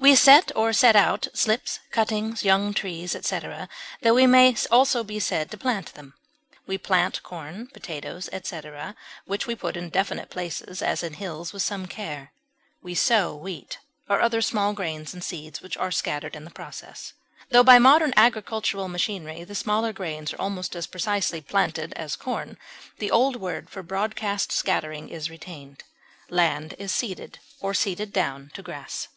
We set or set out slips, cuttings, young trees, etc., tho we may also be said to plant them; we plant corn, potatoes, etc., which we put in definite places, as in hills, with some care; we sow wheat or other small grains and seeds which are scattered in the process. Tho by modern agricultural machinery the smaller grains are almost as precisely planted as corn, the old word for broadcast scattering is retained. Land is seeded or seeded down to grass.